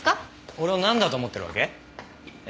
俺をなんだと思ってるわけ？え